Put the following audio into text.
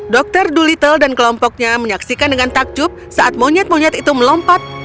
dr dolittle dan kelompoknya menyaksikan dengan takjub saat monyet monyet itu melompat